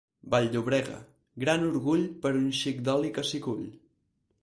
Vall-llobrega, gran orgull per un xic d'oli que s'hi cull.